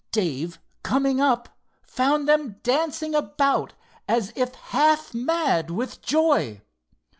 Dave, coming up, found them dancing about as if half mad with joy.